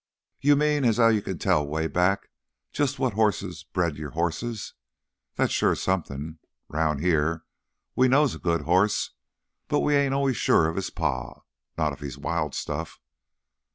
"You mean as how you can tell way back jus' what hosses bred your hosses? That's sure somethin'! Round here we knows a good hoss, but we ain't always sure of his pa, not if he's wild stuff."